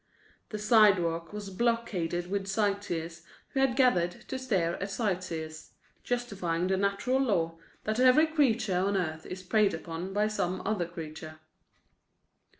The sidewalk was blockaded with sightseers who had gathered to stare at sightseers, justifying the natural law that every creature on earth is preyed upon by some other creature.